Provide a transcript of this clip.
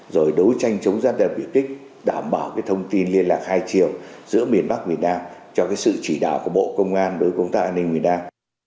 rồi đấu tranh chống gian đàm biểu kích đảm bảo thông tin liên lạc hai chiều giữa miền bắc việt nam cho sự chỉ đạo của bộ công an với công tác an ninh việt nam